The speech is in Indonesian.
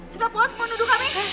sudah puas menuduh kami